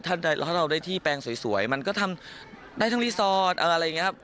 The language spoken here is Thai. ถ้าเราได้ที่แปลงสวยมันก็ทำได้ทั้งรีสอร์ทอะไรอย่างนี้ครับ